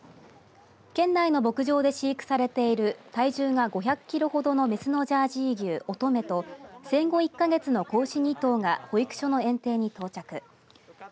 県内の牧場で飼育されている体重が５００キロほどのメスのジャージー牛、オトメと生後１か月の子牛